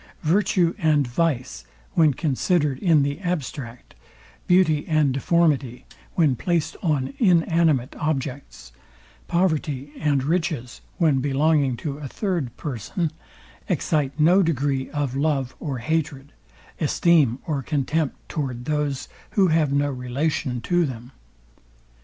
Virtue and vice, when considered in the abstract; beauty and deformity, when placed on inanimate objects; poverty and riches when belonging to a third person, excite no degree of love or hatred, esteem or contempt towards those, who have no relation to them.